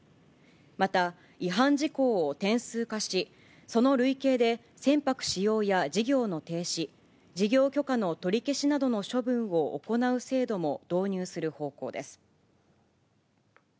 また、違反事項を点数化し、その累計で船舶使用や事業の停止、事業許可の取り消しなどの処分を行う制度も導入する方向です。